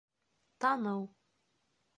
Таныу